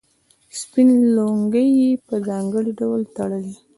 سپینې لونګۍ یې په ځانګړي ډول تړلې.